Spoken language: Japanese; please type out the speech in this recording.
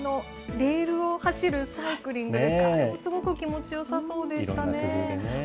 レールを走るサイクリングですか、あれもすごく気持ちよさそうでしたね。